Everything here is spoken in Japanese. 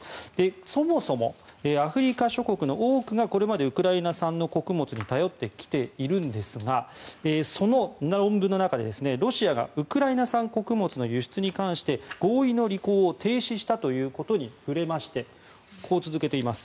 そもそも、アフリカ諸国の多くがこれまでウクライナ産の穀物に頼ってきているんですがその論文の中でロシアがウクライナ産穀物の輸出に関して合意の履行を停止したということに触れましてこう続けています。